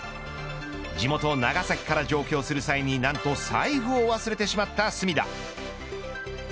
地元、長崎から上京する際、何と財布を忘れてしまった隅田。